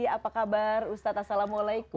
apa kabar ustad assalamualaikum